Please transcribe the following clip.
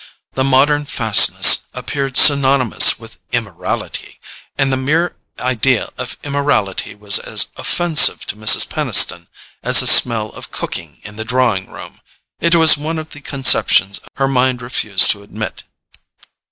The modern fastness appeared synonymous with immorality, and the mere idea of immorality was as offensive to Mrs. Peniston as a smell of cooking in the drawing room: it was one of the conceptions her mind refused to admit.